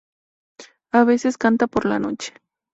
A veces canta por la noche.